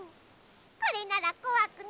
これならこわくないでしょ？